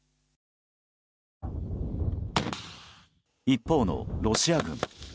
一方の、ロシア軍。